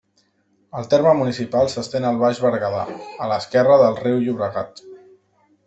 El terme municipal s'estén al Baix Berguedà, a l'esquerra del riu Llobregat.